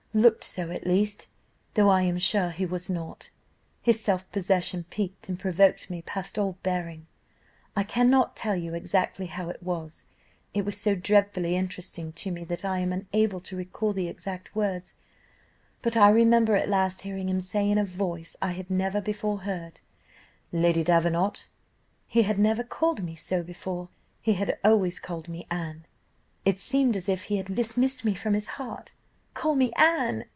looked so at least, though I am sure he was not. His self possession piqued and provoked me past all bearing. I cannot tell you exactly how it was it was so dreadfully interesting to me that I am unable to recall the exact words; but I remember at last hearing him say, in a voice I had never before heard, 'Lady Davenant!' He had never called me so before; he had always called me 'Anne:' it seemed as if he had dismissed me from his heart. "'Call me Anne!